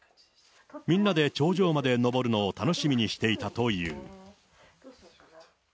みんなで頂上まで登るのを楽しみにしていたという。